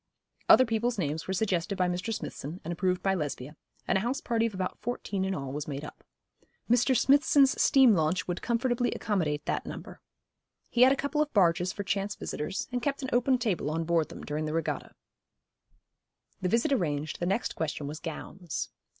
Other people's names were suggested by Mr. Smithson and approved by Lesbia, and a house party of about fourteen in all was made up. Mr. Smithson's steam launch would comfortably accommodate that number. He had a couple of barges for chance visitors, and kept an open table on board them during the regatta. The visit arranged, the next question was gowns.